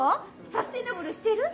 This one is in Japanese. サステナブルしてる？